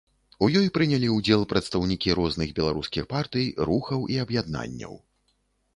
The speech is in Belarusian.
У ёй прынялі ўдзел прадстаўнікі розных беларускіх партый, рухаў і аб'яднанняў.